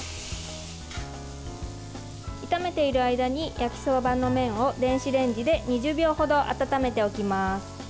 炒めている間に焼きそばの麺を電子レンジで２０秒程温めておきます。